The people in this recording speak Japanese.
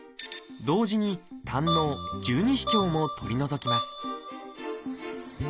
同時に胆のう十二指腸も取り除きます